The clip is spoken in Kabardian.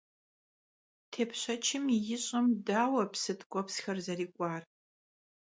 Têpşeçım yi ş'em daue psı tk'uepsxer zerık'uar?